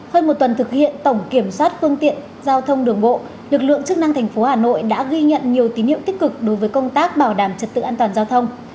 hơn một tuần thực hiện tổng kiểm soát phương tiện giao thông đường bộ lực lượng chức năng thành phố hà nội đã ghi nhận nhiều tín hiệu tích cực đối với công tác bảo đảm trật tự an toàn giao thông